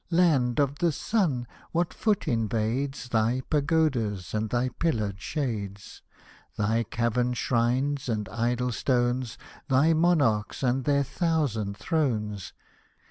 Land of the Sun ! what foot invades Thy Pagods and thy pillared shades — Thy cavern shrines, and Idol stones, Thy Monarchs and their thousand Thrones